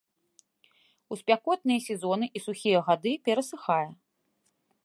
У спякотныя сезоны і ў сухія гады перасыхае.